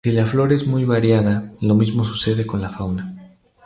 Si la flora es muy variada lo mismo sucede con la fauna.